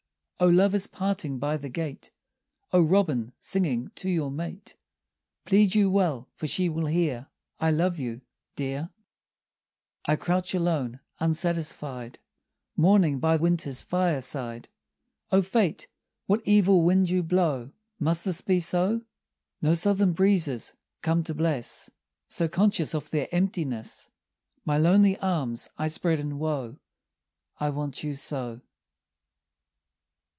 "O lovers parting by the gate, O robin singing to your mate, Plead you well, for she will hear 'I love you, dear!'" I crouch alone, unsatisfied, Mourning by winter's fireside. O Fate, what evil wind you blow. Must this be so? No southern breezes come to bless, So conscious of their emptiness My lonely arms I spread in woe, I want you so.